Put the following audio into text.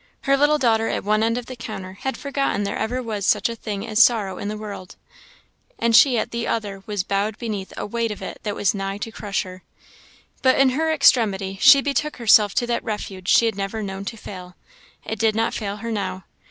Her little daughter, at one end of the counter, had forgotten there ever was such a thing as sorrow in the world; and she, at the other, was bowed beneath a weight of it that was nigh to crush her. But in her extremity she betook herself to that refuge she had never known to fail: it did not fail her now.